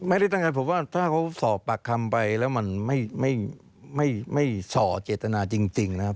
ไม่ได้ตั้งใจผมว่าถ้าเขาสอบปากคำไปแล้วมันไม่ส่อเจตนาจริงนะครับ